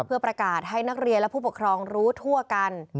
เพื่อประกาศให้นักเรียนและผู้ปกครองรู้ทั่วกัน